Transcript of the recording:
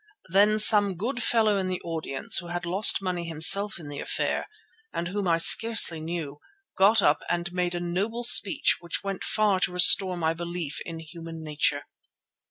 Then some good fellow in the audience, who had lost money himself in the affair and whom I scarcely knew, got up and made a noble speech which went far to restore my belief in human nature.